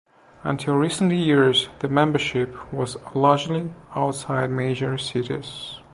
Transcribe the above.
Until recent years the membership was largely outside major cities.